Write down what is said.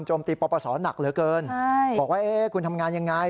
โจมตีประสอบหนักเหลือเกินบอกว่าคุณทำงานอย่างไร